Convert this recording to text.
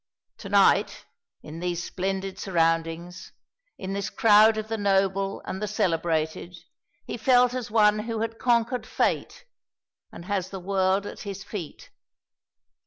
To night, in these splendid surroundings, in this crowd of the noble and the celebrated, he felt as one who has conquered Fate, and has the world at his feet.